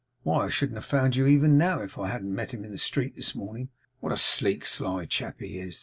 Why, I shouldn't have found you even now, if I hadn't met him in the street this morning. What a sleek, sly chap he is!